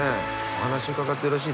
お話伺ってよろしいですか？